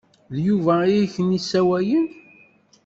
D Yuba i ak-n-isawalen.